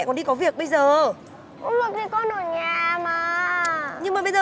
con rất là hư nhá